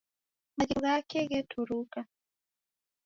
Maghegho ghake gheturuka